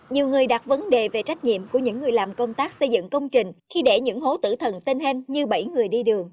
nhiều người đặt vấn đề về trách nhiệm của những người làm công tác xây dựng công trình khi để những hố tử thần tên hen như bảy người đi đường